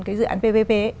cái dự án ppp